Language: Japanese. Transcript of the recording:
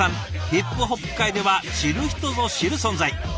ヒップホップ界では知る人ぞ知る存在。